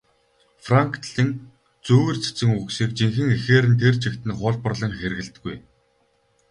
Франклин зүйр цэцэн үгсийг жинхэнэ эхээр нь тэр чигт нь хуулбарлан хэрэглэдэггүй.